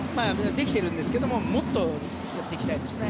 できているんですけどもっとやっていきたいですね。